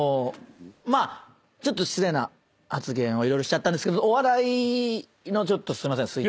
まあちょっと失礼な発言を色々しちゃったんですけどお笑いのちょっとすいません。